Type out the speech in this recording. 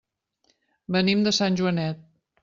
Venim de Sant Joanet.